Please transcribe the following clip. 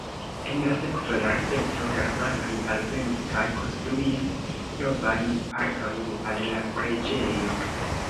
En la sekva jarcento germanoj alvenis kaj konstruis novajn partojn al la preĝejo.